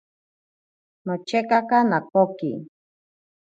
Nochekaka nakoki.